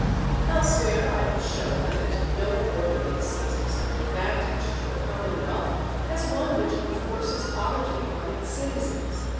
Elsewhere I have shown that no ordinance is of such advantage to a commonwealth, as one which enforces poverty on its citizens.